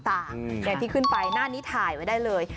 อย่างที่ขึ้นไปหน้านี้ถ่ายไว้ได้เลย